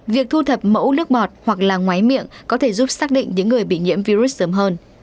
việc thu thập mẫu nước ngọt hoặc là máy miệng có thể giúp xác định những người bị nhiễm virus sớm hơn